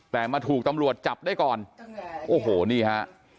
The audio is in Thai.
แต่มาถูกตำรวจจับได้ก่อนโอ้โหนี่ฮะ